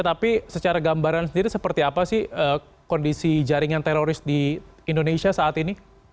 tapi secara gambaran sendiri seperti apa sih kondisi jaringan teroris di indonesia saat ini